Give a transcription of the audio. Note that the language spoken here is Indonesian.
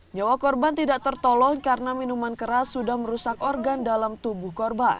nyawa korban tidak tertolong karena minuman keras sudah merusak organ dalam tubuh korban